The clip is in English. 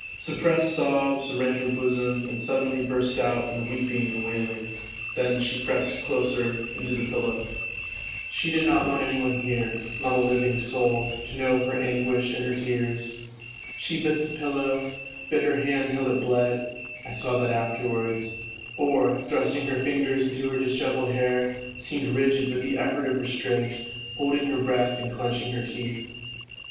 Sup pressed sobs rent her bosom and suddenly burst out in weeping and wailing, then she pressed closer into the pillow : she did not want any one here, not a living soul, to know of her anguish and her tears. She bit the pillow, bit her hand till it bled (I saw that afterwards), or, thrusting her fingers into her dishevelled hair seemed rigid with the effort of restraint, holding her breath and clenching her teeth.